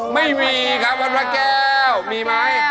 ไม่มีครับวัดพระแก้วมีไหม